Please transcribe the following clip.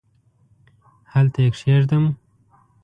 هلته یې کښېږدم ؟؟